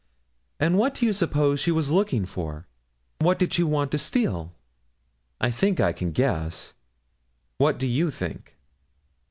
And what do you suppose she was looking for what did she want to steal? I think I can guess what do you think?'